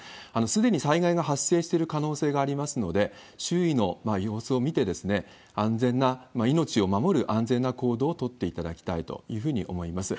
すでに災害が発生してる可能性がありますので、周囲の様子を見て、命を守る安全な行動を取っていただきたいというふうに思います。